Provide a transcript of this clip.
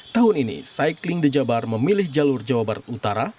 tahun ini cycling the jabar memilih jalur jawa barat utara